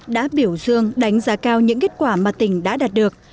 đã biểu dương đánh giá cao những kết quả mà tỉnh đã đạt được